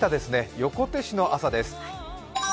横手市の朝です。